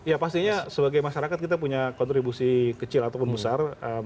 ya pastinya sebagai masyarakat kita punya kontribusi kecil ataupun besar